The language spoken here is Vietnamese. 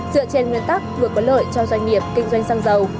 dựa trên nguyên tắc vừa có lợi cho doanh nghiệp kinh doanh xăng dầu